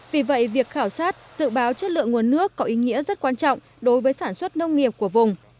vì vậy việc khảo sát dự báo chất lượng nguồn nước có ý nghĩa rất quan trọng đối với sản xuất nông nghiệp của vùng